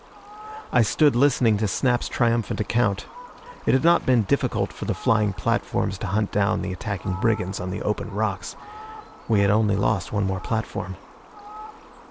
I stood listening to Snap's triumphant account. It had not been difficult for the flying platforms to hunt down the attacking brigands on the open rocks. We had only lost one more platform.